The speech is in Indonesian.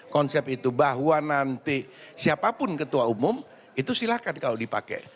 konsep itu bahwa nanti siapapun ketua umum itu silahkan kalau dipakai